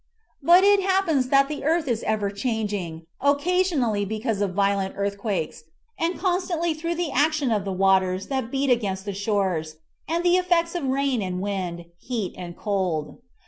But it happens that the earth is ever changing, occasionally because of violent earthquakes, and constantly through the action of the waters that beat against the shores and the effects of rain and wind, heat and cold.